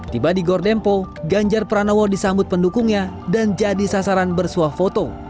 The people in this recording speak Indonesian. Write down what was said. tiba di gor dempo ganjar pranowo disambut pendukungnya dan jadi sasaran bersuah foto